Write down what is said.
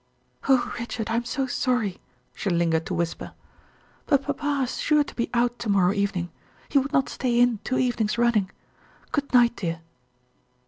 "Oh, Richard, I am so sorry!" she lingered to whisper. "But papa is sure to be out to morrow evening; he would not stay in two evenings running. Good night, dear."